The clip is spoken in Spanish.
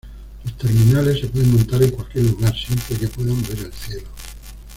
Los terminales se pueden montar en cualquier lugar, siempre que puedan ver el cielo.